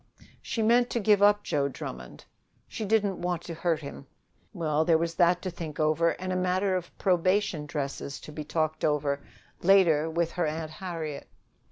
She meant to give up Joe Drummond. She didn't want to hurt him. Well, there was that to think over and a matter of probation dresses to be talked over later with her Aunt Harriet.